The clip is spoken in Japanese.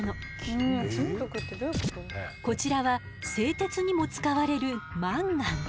こちらは製鉄にも使われるマンガン。